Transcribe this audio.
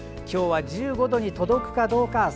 今日は１５度に届くかどうか。